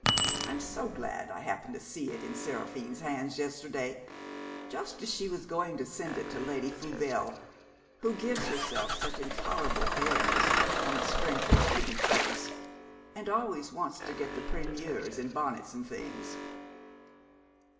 I'm so glad I happened to see it in Seraphine's hands yesterday, just as she was going to send it to Lady Fonvielle, who gives herself such intolerable airs on the strength of a pretty face, and always wants to get the primeures in bonnets and things.'